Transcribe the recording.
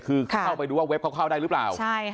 คือเข้าไปดูว่าเว็บเขาเข้าได้หรือเปล่า